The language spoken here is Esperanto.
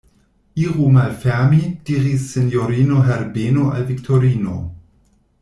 Iru malfermi, diris sinjorino Herbeno al Viktorino.